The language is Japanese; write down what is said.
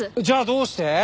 じゃあどうして？